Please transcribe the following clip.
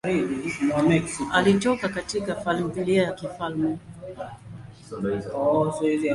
Alitoka katika familia ya kifalme.